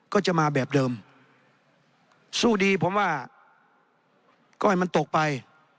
ก็จะมาแบบเดิมสู้ดีผมว่าก้อยมันตกไป